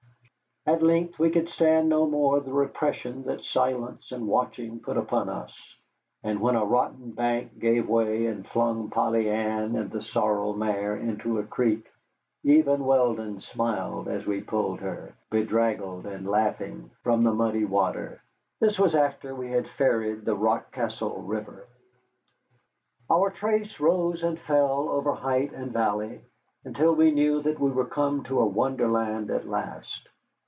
At length we could stand no more the repression that silence and watching put upon us, and when a rotten bank gave way and flung Polly Ann and the sorrel mare into a creek, even Weldon smiled as we pulled her, bedraggled and laughing, from the muddy water. This was after we had ferried the Rockcastle River. Our trace rose and fell over height and valley, until we knew that we were come to a wonderland at last.